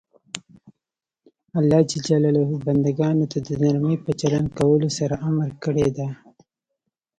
الله ج بنده ګانو ته د نرمۍ په چلند کولو سره امر کړی ده.